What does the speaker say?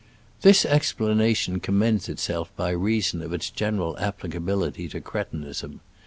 This explanation commends itself by reason of its general applicability to cre tinism.